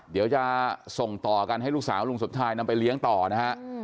เดี๋ยวจะส่งต่อกันให้ลูกสาวลุงสมชายนำไปเลี้ยงต่อนะฮะ